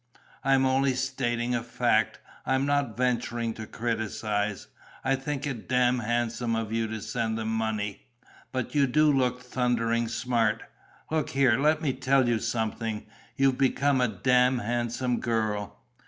"I'm only stating a fact. I'm not venturing to criticize. I think it damned handsome of you to send them money. But you do look thundering smart.... Look here, let me tell you something: you've become a damned handsome girl."